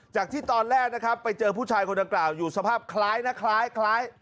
จากที่ตอนแรกนะครับไปเจอผู้ชายคนดังกล่าวอยู่สภาพคล้ายนะคล้าย